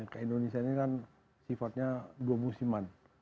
ke indonesia ini kan sifatnya dua musiman